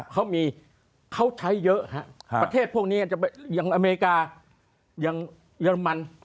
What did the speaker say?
เขาใช้เยอะประเทศพวกนี้อย่างอเมริกาอย่างเยอรมัน